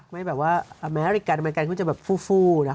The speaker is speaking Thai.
ไม่แบบว่าอเมริกันก็จะแบบฟู้นะ